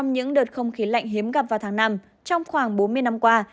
những đợt không khí lạnh hiếm gặp vào tháng năm trong khoảng bốn mươi năm qua